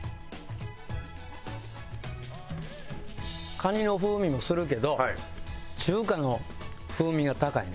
カニの風味もするけど中華の風味が高いね